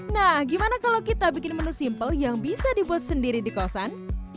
nah gimana kalau kita bikin menu simpel yang bisa dibuat sendiri di kosan